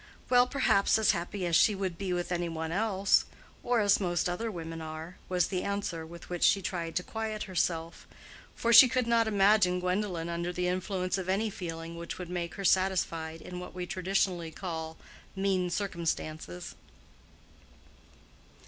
"Well, perhaps as happy as she would be with any one else—or as most other women are"—was the answer with which she tried to quiet herself; for she could not imagine Gwendolen under the influence of any feeling which would make her satisfied in what we traditionally call "mean circumstances."